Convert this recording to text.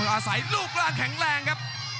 อาศัยรูปร่างแข็งแรงครับ